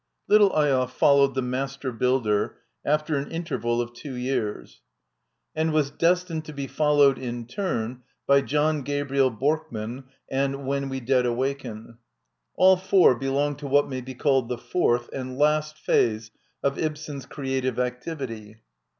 ''Little Eyolf" followed "The Master Builder " after an interval of two years, and was ed by Google 202501 S: INTRODUCTION <^ 'destined to be followed, in turn, by " John Gabriel Borkman " and " When We Dead Awaken." All four belong to what may be called the fourth, and last phase of Ibsen's creative activity.